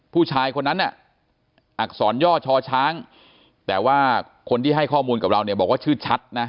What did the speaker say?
ผู้ชายคนนั้นน่ะอักษรย่อชอช้างแต่ว่าคนที่ให้ข้อมูลกับเราเนี่ยบอกว่าชื่อชัดนะ